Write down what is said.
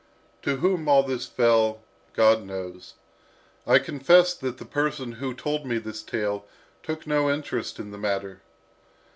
To whom all this fell, God knows. I confess that the person who told me this tale took no interest in the matter.